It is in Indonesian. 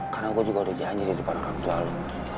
karena gue juga udah janji di depan orang tua lo